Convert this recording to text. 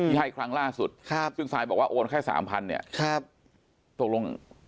ที่ให้ครั้งล่าสุดซึ่งสายบอกว่าโอนแค่๓๐๐๐บาทเนี่ยตกลง